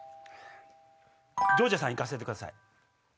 ジョージアさん行かせてください。